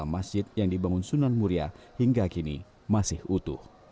masjid yang dibangun sunan muria hingga kini masih utuh